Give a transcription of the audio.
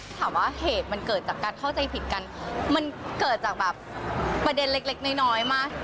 ถามว่าเหตุมันเกิดจากการเข้าใจผิดกันมันเกิดจากแบบประเด็นเล็กน้อยมาก